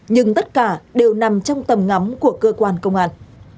nhưng tất cả đều nằm trong tầm ngắm của cơ quan công an